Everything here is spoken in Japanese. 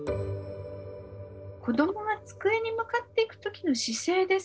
子どもが机に向かっていく時の姿勢ですね。